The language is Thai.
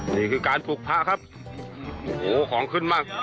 นี่คือการปลูกพระครับโอ้โหของขึ้นมาก